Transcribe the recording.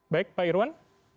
baik pak irwan